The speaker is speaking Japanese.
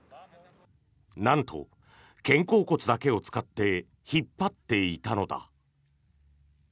なんと、肩甲骨だけを使って引っ張っていたのだ。